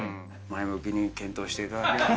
前向きに検討していただければ。